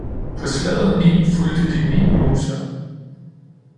På slaget ni fulgte de ni muser